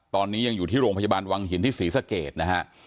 ตอนนี้ยังอยู่ที่โรงพยาบาลวังหินที่ศรีสะเกดนะฮะ